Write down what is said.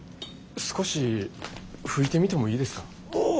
少し吹いてみてもいいですか？